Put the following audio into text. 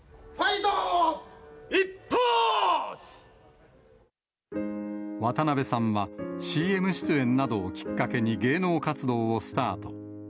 イッパーツ！渡辺さんは、ＣＭ出演などをきっかけに、芸能活動をスタート。